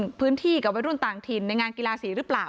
เดินโครงศรีเกี่ยวกับวิจุธอันตราบรุ่นต่างถิ่นในงานกีฬาศรีรึเปล่า